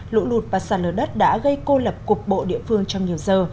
lũ lụt và sạt lở đất đã gây cô lập cục bộ địa phương trong nhiều giờ